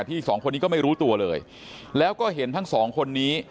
สองคนนี้ก็ไม่รู้ตัวเลยแล้วก็เห็นทั้งสองคนนี้